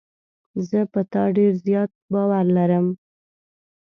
زه په تا ډېر زیات باور لرم.